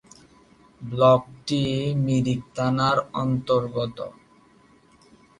ব্লকটি মিরিক থানার অন্তর্গত।